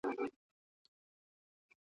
دا علم باید په سمه توګه انتقال سي.